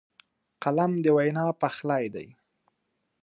قلم د وینا پخلی دی